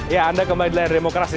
ya anda kembali di layar demokrasi